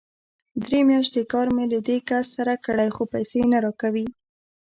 درې مياشتې کار مې له دې کس سره کړی، خو پيسې نه راکوي!